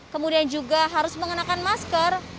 kemudian juga harus mengenakan masker